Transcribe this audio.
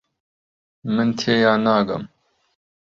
من تێیان ناگەم.